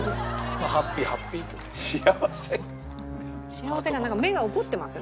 幸せなんか目が怒ってます